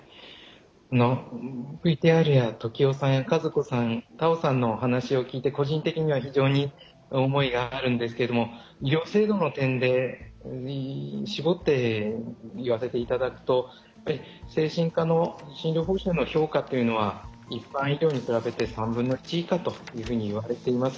ＶＴＲや時男さんや和子さん、田尾さんのお話を聞いて個人的には非常に思いがあるんですけれども医療制度の点で絞って言わせていただくと精神科の診療報酬の評価というのは一般医療に比べて３分の１以下というふうにいわれています。